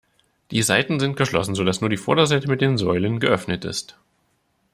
Die Seiten sind geschlossen, sodass nur die Vorderseite mit den Säulen geöffnet ist.